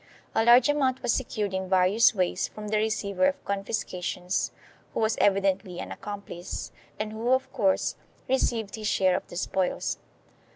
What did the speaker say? A large amount was secured in various ways from the receiver of confiscations, who was evidently an accomplice and who, of course, received his share of the spoils.